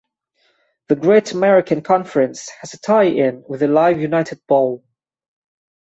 The Great American Conference has a tie-in with the Live United Bowl.